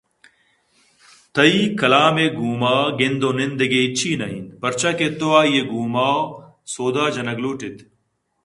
تئی کلامءِ گوں ما گندءُنند دگہ ہچی ئے نہ اِنت پرچا کہ تو آئی ءِ گوں ما ءَ سودا جنَگ لو ٹ اِت